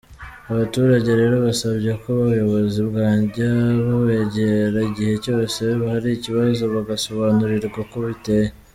Abaturage rero basabye ko ubuyobozi bwajya bubegera igihe cyose hari ikibazo bagasobanurirwa uko biteye.